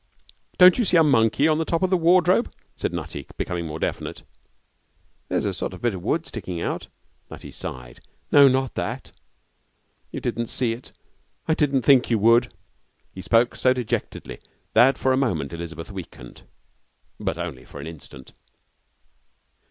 'Don't you see a monkey on the top of the wardrobe?' said Nutty, becoming more definite. 'There's a sort of bit of wood sticking out ' Nutty sighed. 'No, not that. You didn't see it. I don't think you would.' He spoke so dejectedly that for a moment Elizabeth weakened, but only for an instant.